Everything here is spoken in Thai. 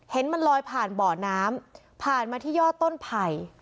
เห็นมันลอยผ่านบ่อน้ำผ่านมาที่ยอดต้นไผ่